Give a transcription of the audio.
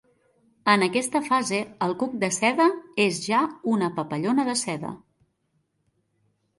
En aquesta fase el cuc de seda és ja una papallona de seda.